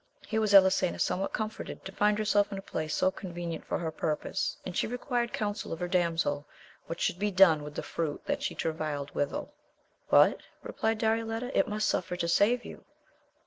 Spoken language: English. Here was Elisen^ somewhat comforted, to find herself in a place so coix^ venient for her purpose, and she required council her damsel what should be done with the fruit th she travaUed withal? What] repUed Darioleta, ^ must suffer to save you.